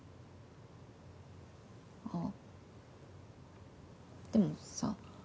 あっでもさ。